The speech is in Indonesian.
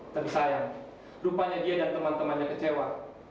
tapi sayang rupanya dia dan teman temannya kecewa